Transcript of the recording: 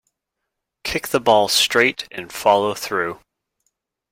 Kick the ball straight and follow through.